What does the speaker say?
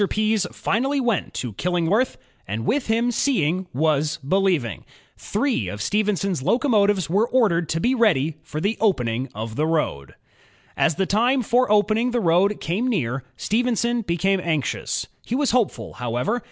Pease finally went to Killingworth and with him seeing was believing. Three of Stephenson^s locomotives were ordered to be ready for the opening of the road. • As the time for opening the road came near, Stephenson became anxious. He was hopeful, however.